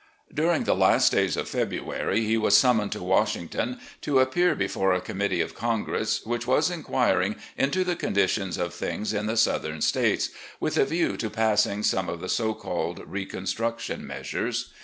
During the last days of February he was summoned to Washington to appear before a committee of Congress which was inquiring into the conditions of things in the Southern States, with a view to passing some of the so called reconstruction measures..